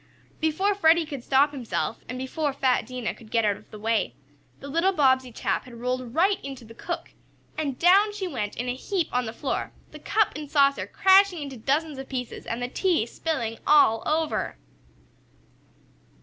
Before Freddie could stop himself, and before fat Dinah could get out of the way, the little Bobbsey chap had rolled right into the cook, and down she went in a heap on the floor, the cup and saucer crashing into dozens of pieces, and the tea spilling all over.